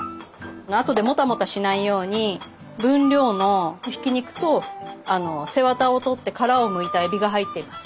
あとでもたもたしないように分量のひき肉と背わたを取って殻をむいたえびが入ってます。